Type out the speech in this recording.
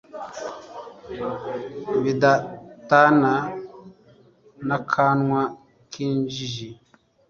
bidatana n'akanwa k'injiji